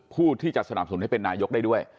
ผู้ที่จะสนับสนุนให้เป็นนายกได้ด้วย